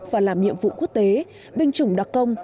và làm nhiệm vụ quốc tế binh chủng đặc công